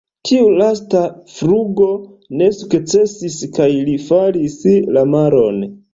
Tiu lasta flugo ne sukcesis kaj li falis la maron.